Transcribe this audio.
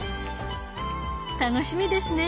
楽しみですね。